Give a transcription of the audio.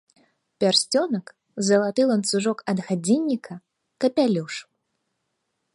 Пярсцёнак, залаты ланцужок ад гадзінніка, капялюш.